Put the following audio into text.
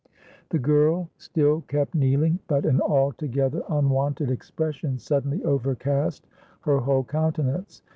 The girl still kept kneeling; but an altogether unwonted expression suddenly overcast her whole countenance.